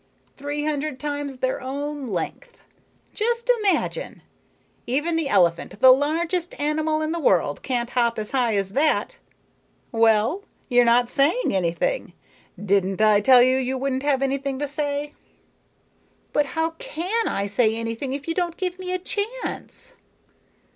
Three hundred times their own length! Just imagine. Even the elephant, the largest animal in the world, can't hop as high as that. Well? You're not saying anything. Didn't I tell you you wouldn't have anything to say?" "But how can I say anything if you don't give me a chance?"